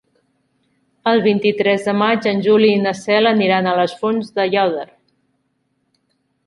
El vint-i-tres de maig en Juli i na Cel aniran a les Fonts d'Aiòder.